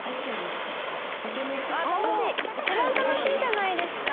一番楽しいじゃないですか。